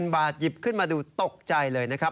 บาทหยิบขึ้นมาดูตกใจเลยนะครับ